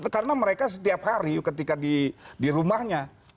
karena mereka setiap hari ketika di rumahnya